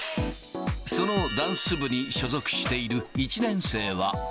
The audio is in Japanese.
そのダンス部に所属している１年生は。